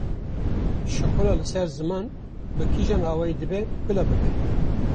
Şixula li ser zimên bi kîjan awayî dibe bila bibe.